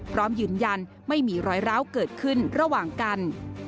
พร้อมยืนยันไม่มีรอยร้าวเกิดขึ้นระหว่างกัน